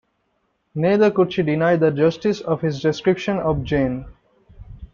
Neither could she deny the justice of his description of Jane.